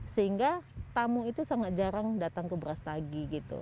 sehingga tamu itu sangat jarang datang ke beras tagi gitu